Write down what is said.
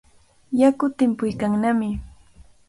Yaku timpuykannami.